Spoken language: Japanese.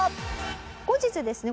後日ですね